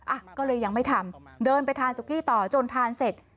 อ่ะก็เลยยังไม่ทำเดินไปทานสุกี้ต่อจนทานเสร็จ